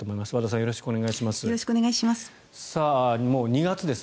よろしくお願いします。